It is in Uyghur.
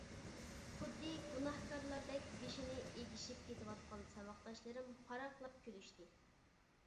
خۇددى گۇناھكارلاردەك بېشىنى ئېگىشىپ كېتىۋاتقان ساۋاقداشلىرىم پاراقلاپ كۈلۈشتى.